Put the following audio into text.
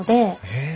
へえ。